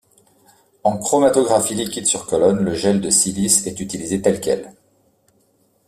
En chromatographie liquide sur colonne, le gel de silice est utilisé tel quel.